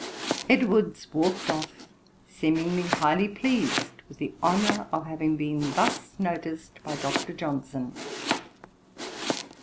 Edwards walked off, seemingly highly pleased with the honour of having been thus noticed by Dr. Johnson.